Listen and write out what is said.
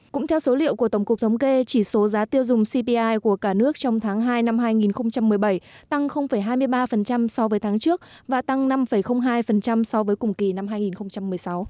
cũng theo số liệu của tổng cục thống kê chỉ số giá tiêu dùng cpi của cả nước trong tháng hai năm hai nghìn một mươi bảy tăng hai mươi ba so với tháng trước và tăng năm hai so với cùng kỳ năm hai nghìn một mươi sáu